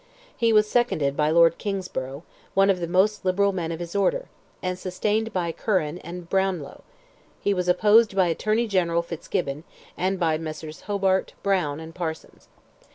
He was seconded by Lord Kingsborough, one of the most liberal men of his order, and sustained by Curran and Brownlow; he was opposed by Attorney General Fitzgibbon, and by Messrs. Hobart, Browne, and Parsons.